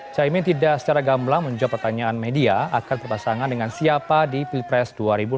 caimin tidak secara gamblang menjawab pertanyaan media akan berpasangan dengan siapa di pilpres dua ribu dua puluh